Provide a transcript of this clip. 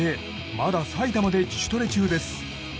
まだ埼玉で自主トレ中です。